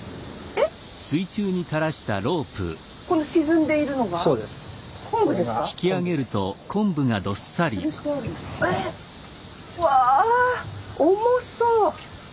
えうわ重そう！